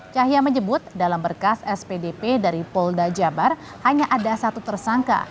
cahya menyebut dalam berkas spdp dari polda jabar hanya ada satu tersangka